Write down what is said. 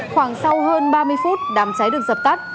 khoảng sau hơn ba mươi phút đám cháy được dập tắt